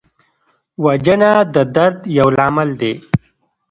وژنه د درد یو لامل دی